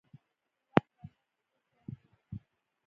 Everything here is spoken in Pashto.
هېواد د ازاد فکر ځای دی.